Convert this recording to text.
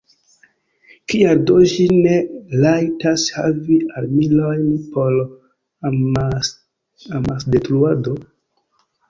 Kial do ĝi ne rajtas havi armilojn por amasdetruado?